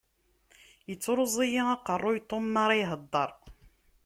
Yettruẓ-iyi aqerru Tom mara ihedder.